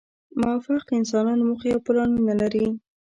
موفق انسانان موخې او پلانونه لري.